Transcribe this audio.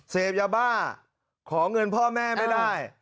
เสพยาบ้าขอเงินพ่อแม่ไม่ได้